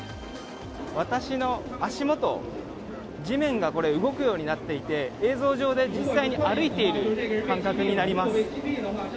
私の足元地面が動くようになっていて、映像上で実際に歩いている感覚になります。